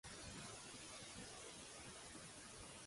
Truca ja al Marco, si us plau.